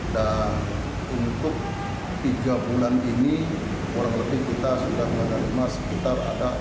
dan untuk tiga bulan ini kurang lebih kita sudah menerima sekitar ada sepuluh laporan